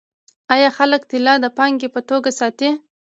آیا خلک طلا د پانګې په توګه ساتي؟